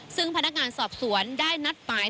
ซึ่งพนักงานสอบสวนได้นัดหมาย